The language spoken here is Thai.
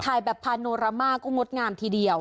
ถ่ายแบบพาโนรามาก็งดงามทีเดียว